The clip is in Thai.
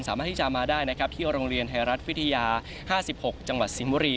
สามารถที่จะมาได้นะครับที่โรงเรียนไทยรัฐวิทยา๕๖จังหวัดสิงห์บุรี